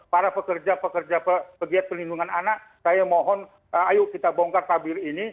para pekerja pekerja pegiat perlindungan anak saya mohon ayo kita bongkar tabir ini